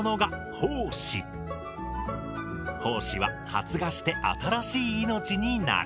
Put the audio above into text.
胞子は発芽して新しい命になる。